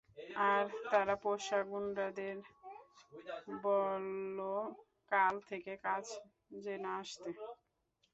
আর তার পোষা গুন্ডাদের বলো কাল থেকে কাজে না আসতে।